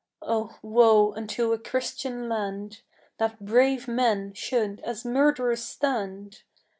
Oh, woe unto a Christian land, That brave men should as murd'rers stand!